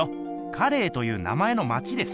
「カレー」という名前の町です。